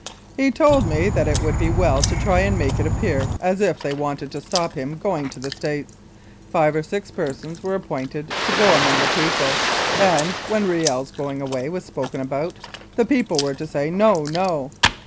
He told me that it would be well to try and make it appear as if they wanted to stop him going to the States. Five or six persons were appointed to go among the people, and, when RiePs going away was spoken about, the people were to say "No, no."